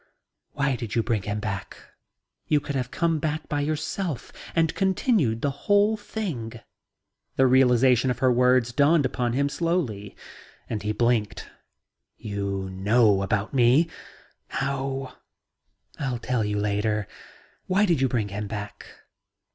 "Why did you bring him back? You could have come back by yourself and continued the whole thing." The realization of her words dawned upon him slowly and he blinked. "You know about me? How..." "I'll tell you later. Why did you bring him back?"